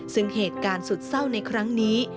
ซึ่งเหตุการณ์สุดเศร้าในครั้งนี้